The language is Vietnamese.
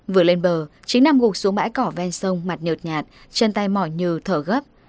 vừa lên bờ chính nằm gục xuống bãi cỏ ven sông mặt nợt nhạt chân tay mỏi nhờ thở gấp